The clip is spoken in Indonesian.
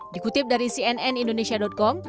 dikutip dari cnn indonesia com